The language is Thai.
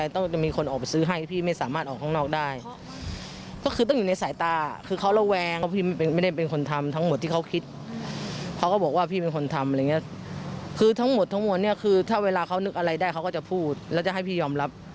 ถ้าดูอะไรมีก็พูดก็ให้ยอมรับ